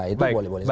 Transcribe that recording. itu boleh boleh saja